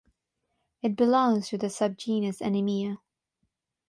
It belongs to the subgenus "Anemia".